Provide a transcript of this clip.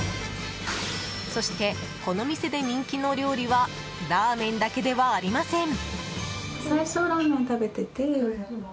そして、この店で人気の料理はラーメンだけではありません。